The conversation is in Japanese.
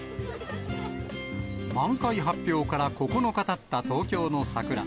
満開発表から９日たった東京の桜。